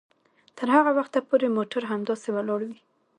تر هغه وخته پورې موټر همداسې ولاړ وي